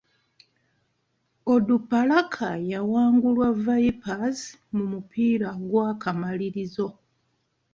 Onduparaka yawangulwa Vipers mu mupiira gw'akamalirizo.